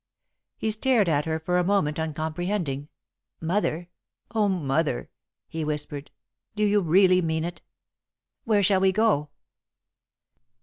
He stared at her for a moment, uncomprehending. "Mother! Oh, Mother!" he whispered. "Do you really mean it? Where shall we go?"